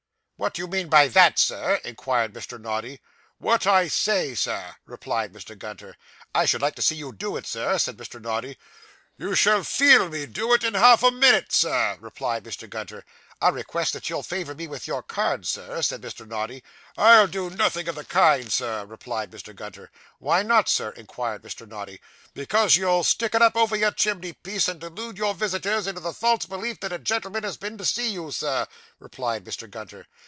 'What do you mean by that, sir?' inquired Mr. Noddy. 'What I say, Sir,' replied Mr. Gunter. 'I should like to see you do it, Sir,' said Mr. Noddy. 'You shall _feel _me do it in half a minute, Sir,' replied Mr. Gunter. 'I request that you'll favour me with your card, Sir,' said Mr. Noddy. 'I'll do nothing of the kind, Sir,' replied Mr. Gunter. 'Why not, Sir?' inquired Mr. Noddy. 'Because you'll stick it up over your chimney piece, and delude your visitors into the false belief that a gentleman has been to see you, Sir,' replied Mr. Gunter.